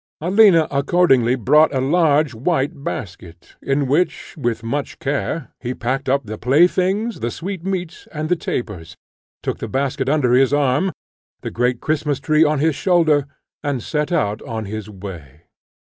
Alina accordingly brought a large white basket; in which, with much care, he packed up the playthings, the sweetmeats, and the tapers, took the basket under his arm, the great Christmas tree on his shoulder, and set out on his way.